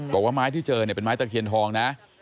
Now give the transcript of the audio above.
บอกว่าไม้ที่เจอเนี่ยเป็นไม้ตะเคียนทองนะ